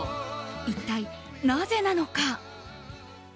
一体、なぜなのか？